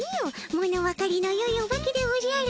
物わかりのよいオバケでおじゃる。